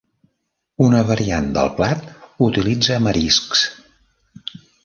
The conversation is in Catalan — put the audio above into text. Una variant del plat utilitza mariscs.